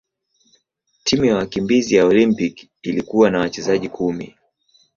Timu ya wakimbizi ya Olimpiki ilikuwa na wachezaji kumi.